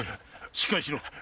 しっかりしろ。